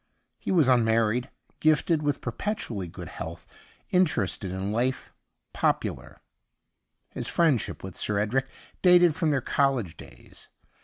He was unmarried, gifted with per • petually good health, interested in life, popular. His friendship with Sir Edric dated from their college days.